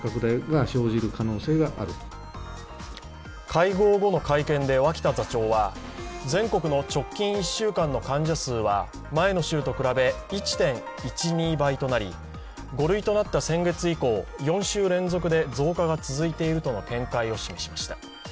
会合後の会見で脇田座長は全国の直近１週間の患者数は前の週と比べ１．１２倍となり５類となった先月以降、４週連続で増加が続いているとの見解を示しました。